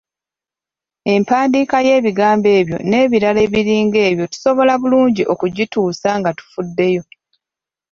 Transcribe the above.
Empandiika y'ebigambo ebyo n'ebirala ebiringa ebyo tusobola bulungi okugituusa nga tufuddeyo.